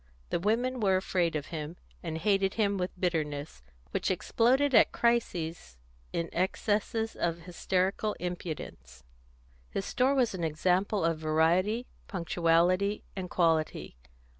The women were afraid of him, and hated him with bitterness, which exploded at crises in excesses of hysterical impudence. His store was an example of variety, punctuality, and quality.